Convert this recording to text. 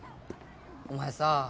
お前さ